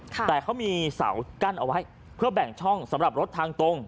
แต่เขามีเสากั้นเอาไว้เพื่อแบ่งช่องสำหรับรถทางตรง